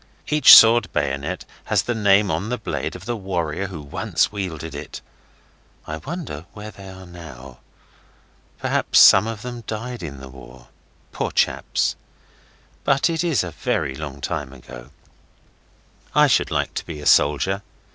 Each sword bayonet has the name on the blade of the warrior who once wielded it. I wonder where they are now. Perhaps some of them died in the war. Poor chaps! But it is a very long time ago. I should like to be a soldier.